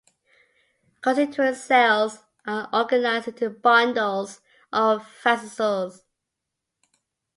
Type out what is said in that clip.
Constituent cells are organized into bundles or "fascicles".